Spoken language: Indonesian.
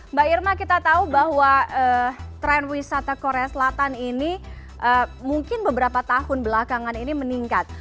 mbak irma kita tahu bahwa tren wisata korea selatan ini mungkin beberapa tahun belakangan ini meningkat